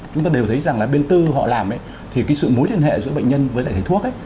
chúng ta đều thấy rằng là bên tư họ làm thì cái sự mối liên hệ giữa bệnh nhân với lại thầy thuốc ấy